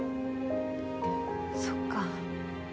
そっか。